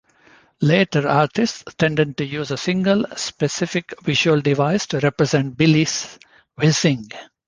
Later artists tended to use a single, specific visual device to represent Billy's whizzing.